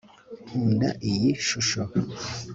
nkunda iyi shusho